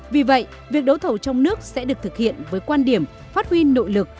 vì vậy việc đấu thầu trong nước sẽ được thực hiện với quan điểm phát huy nội lực